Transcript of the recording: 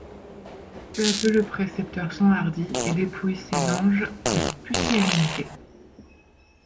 Peu à peu le précepteur s’enhardit et dépouille ses langes de pusillanimité.